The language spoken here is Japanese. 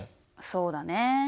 そうだね。